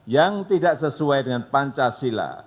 yang tidak sesuai dengan pancasila